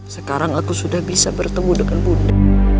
sekarang aku sudah bisa bertemu dengan bunda